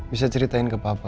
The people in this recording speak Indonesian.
bisa ceritain ke papa